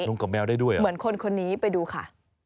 ลงกับแมวได้ด้วยอ่ะเหมือนคนคนนี้ไปดูค่ะ